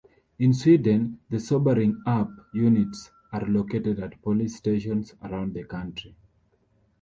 In Sweden the sobering-up units are located at police stations around the country.